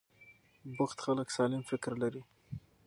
بوخت خلک سالم فکر لري.